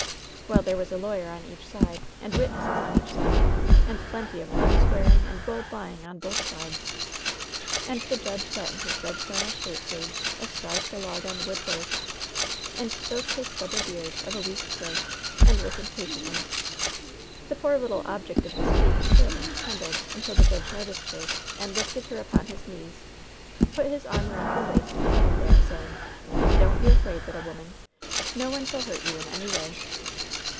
"Well, there was a lawyer on each side, and witnesses on each side, and plenty of hard swearing and bold lying on both sides. And the judge sat in his red flannel shirt sleeves, astride the log on the wood horse, and stroked his stubble beard of a week's growth, and listened pa tiently. The poor little object of dispute stood and trem bled, until the judge noticed her and lifted her upon his knees, put his arm around her waist and held her there, saying: " 'Don't be afraid, little woman. No one shall hurt you in any way.'